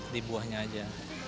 di buahnya aja